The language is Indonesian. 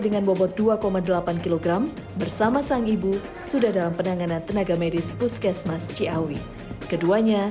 dengan bobot dua delapan kg bersama sang ibu sudah dalam penanganan tenaga medis puskesmas ciawi keduanya